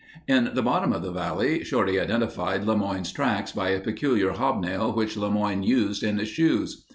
In the bottom of the valley, Shorty identified LeMoyne's tracks by a peculiar hobnail which LeMoyne used in his shoes.